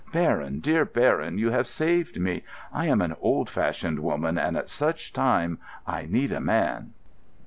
Baron, dear Baron, you have saved me. I am an old fashioned woman, and at such a time I need a man...."